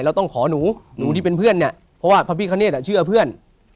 เราต้องขอหนูหนูที่เป็นเพื่อนเนี่ยเพราะว่าพระพิคเนธเชื่อเพื่อน